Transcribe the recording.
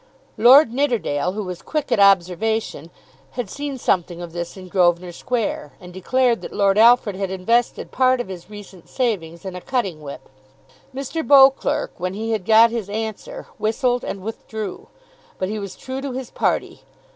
Lord Nidderdale, who was quick at observation, had seen something of this in Grosvenor Square, and declared that Lord Alfred had invested part of his recent savings in a cutting whip. Mr. Beauclerk, when he had got his answer, whistled and withdrew. But he was true to his party.